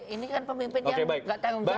ini kan pemimpin yang gak tanggung jawab